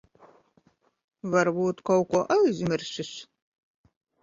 Varbūt kaut ko aizmirsis.